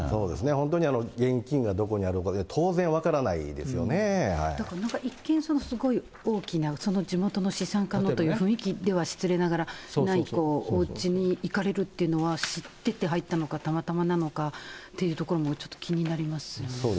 本当に現金がどこにあるのか、一見、すごい大きな地元の資産家のという雰囲気では、失礼ながら、ないおうちに行かれるっていうのは、知ってて入ったのか、たまたまなのかというところもちょっと気になりますよね。